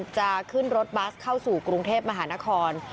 จะขึ้นรถบัสเข้าสู่กรุงเทพมหานคร